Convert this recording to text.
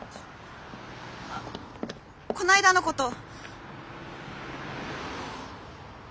あっこの間のこと。